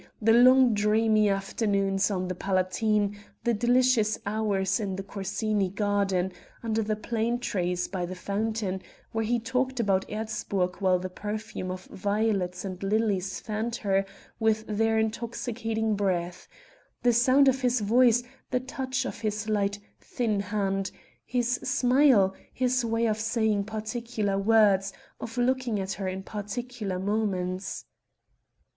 the long dreamy afternoons on the Palatine, the delicious hours in the Corsini garden under the plane trees by the fountain, where he talked about Erzburg while the perfume of violets and lilies fanned her with their intoxicating breath; the sound of his voice the touch of his light, thin hand, his smile his way of saying particular words, of looking at her in particular moments....